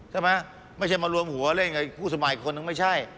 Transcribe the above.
ใช่ไหมไม่ใช่มารวมหัวเล่นกับผู้สมัยคนนึงไม่ใช่